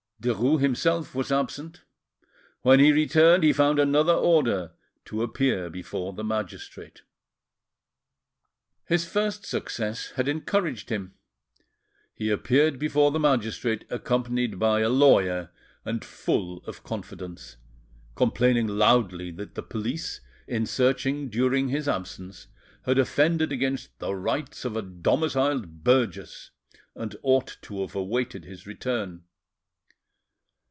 Derues himself was absent; when he returned he found another order to appear before the magistrate. His first success had encouraged him. He appeared before the magistrate accompanied by a lawyer and full of confidence, complaining loudly that the police, in searching during his absence, had offended against the rights of a domiciled burgess, and ought to have awaited his return.